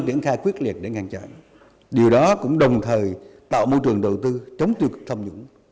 điều đó cũng đồng thời tạo môi trường đầu tư chống tiêu cực thâm nhũng